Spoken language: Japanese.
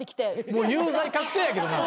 もう有罪確定やけどな。